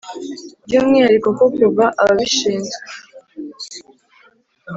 by'umwihariko ko kuva , abashinzwe